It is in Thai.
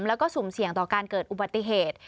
แล้วก็สุ่มเสี่ยงต่อการเกิดอุบัติเหตุ